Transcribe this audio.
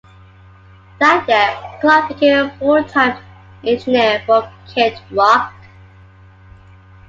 That year, Clark became a full-time engineer for Kid Rock.